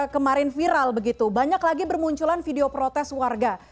kemarin viral begitu banyak lagi bermunculan video protes warga